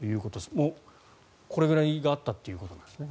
もうこれぐらいあったということなんですね。